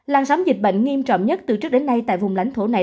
làn sóng dịch bệnh nghiêm trọng nhất từ trước đến nay tại vùng lãnh thổ này